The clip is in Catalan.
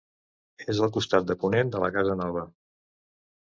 És al costat de ponent de la Casanova.